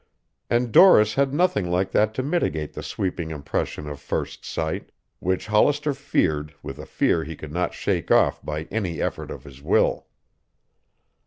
And Doris had nothing like that to mitigate the sweeping impression of first sight, which Hollister feared with a fear he could not shake off by any effort of his will.